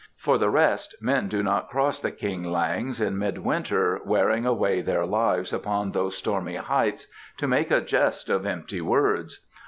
For the rest, men do not cross the King langs in midwinter, wearing away their lives upon those stormy heights, to make a jest of empty words.